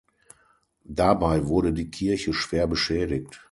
Dabei wurde die Kirche schwer beschädigt.